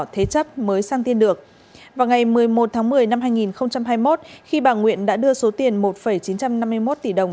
thế chấp mới sang tiên được vào ngày một mươi một tháng một mươi năm hai nghìn hai mươi một khi bà nguyện đã đưa số tiền một chín trăm năm mươi một tỷ đồng